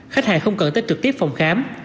khách hàng không cần tới trực tiếp phòng khám